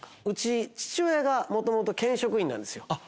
うち父親がもともと県職員なんですよ。